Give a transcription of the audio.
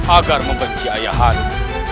agar membenci ayah anda